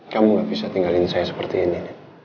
kamu gak bisa tinggalin saya seperti ini